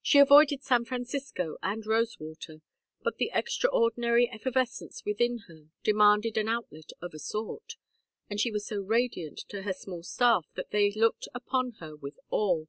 She avoided San Francisco and Rosewater, but the extraordinary effervescence within her demanded an outlet of a sort, and she was so radiant to her small staff that they looked upon her with awe.